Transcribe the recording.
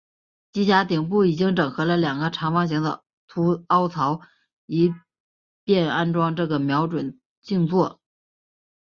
机匣顶部已经整合了两个长方形的凹槽以便安装这个瞄准镜座。